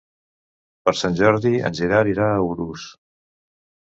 Per Sant Jordi en Gerard irà a Urús.